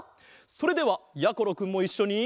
それではやころくんもいっしょに。